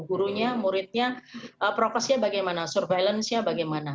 gurunya muridnya prokesnya bagaimana surveillance nya bagaimana